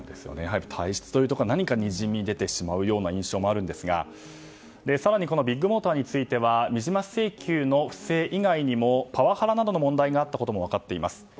体質というところが何かにじみ出てしまう印象もあるんですが更に、ビッグモーターについては水増し請求の不正以外にもパワハラなどの問題があったことも分かっています。